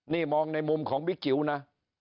นี่มองในมุมของบิ๊กจิ๋วนะ